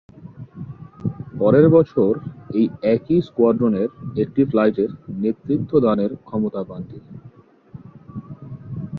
পরের বছর এই একই স্কোয়াড্রনের একটি ফ্লাইটের নেতৃত্ব দানের ক্ষমতা পান তিনি।